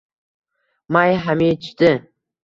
May hamichdi